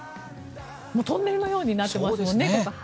トンネルのようになっていますよね。